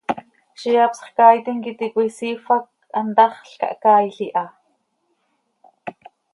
Ziix hapsx caaitim quih íti cöisiifp hac hantaxl cahcaail iha.